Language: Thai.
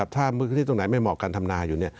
ถ้าพื้นที่ตรงไหนไม่เหมาะการทำนาอยู่